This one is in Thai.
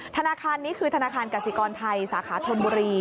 ธนาคารนี้คือธนาคารกสิกรไทยสาขาธนบุรี